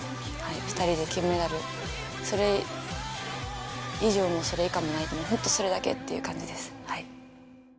２人で金メダル、それ以上もそれ以下もない、本当それだけっていう感じです。